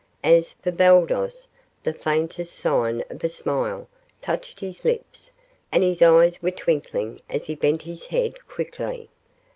As for Baldos, the faintest sign of a smile touched his lips and his eyes were twinkling as he bent his head quickly.